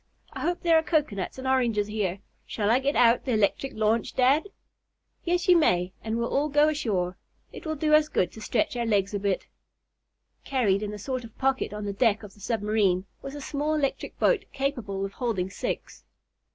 I hope there are cocoanuts and oranges here. Shall I get out the electric launch, dad?" "Yes, you may, and we'll all go ashore. It will do us good to stretch our legs a bit." Carried in a sort of pocket on the deck of the submarine was a small electric boat, capable of holding six.